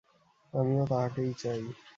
আমিও তাহাকেই চাই।